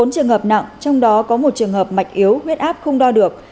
bốn trường hợp nặng trong đó có một trường hợp mạch yếu huyết áp không đo được